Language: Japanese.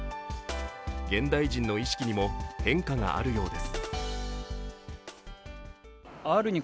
現代人の意識にも変化があるようです。